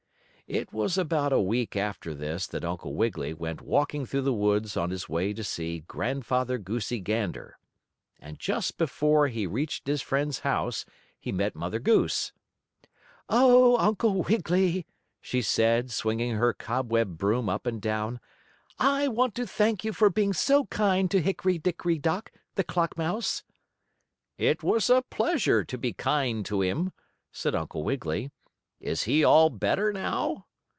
It was about a week after this that Uncle Wiggily went walking through the woods on his way to see Grandfather Goosey Gander. And just before he reached his friend's house he met Mother Goose. "Oh, Uncle Wiggily," she said, swinging her cobweb broom up and down, "I want to thank you for being so kind to Hickory Dickory Dock, the clock mouse." "It was a pleasure to be kind to him," said Uncle Wiggily. "Is he all better now?"